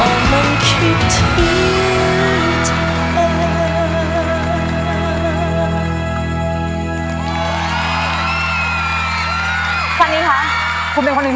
วันที่เราห่างไกล